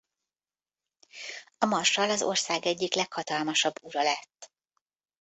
A marsall az ország egyik leghatalmasabb ura lett.